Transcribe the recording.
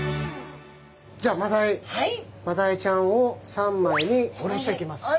じゃあマダイちゃんを三枚におろしていきます。